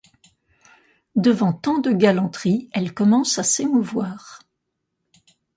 Devant tant de galanterie, elle commence à s'émouvoir.